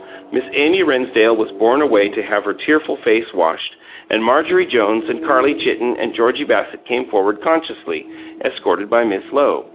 Miss Amy Rennsdale was borne away to have her tearful face washed, and Marjorie Jones and Carlie Chitten and Georgie Bassett came forward consciously, escorted by Miss Lowe.